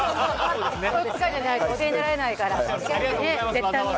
こういう機会じゃないとお出にならないから。